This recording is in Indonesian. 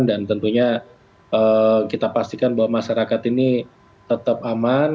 dan tentunya kita pastikan bahwa masyarakat ini tetap aman